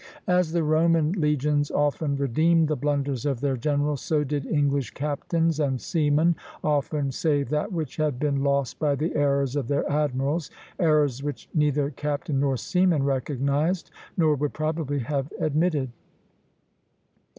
As the Roman legions often redeemed the blunders of their generals, so did English captains and seamen often save that which had been lost by the errors of their admirals, errors which neither captain nor seamen recognized, nor would probably have admitted.